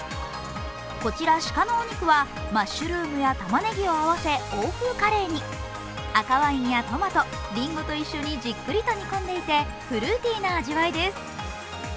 こちら鹿のお肉はマッシュルームやたまねぎを合わせ赤ワインやトマト、りんごと一緒にじっくりと煮込んでいてフルーティーな味わいです。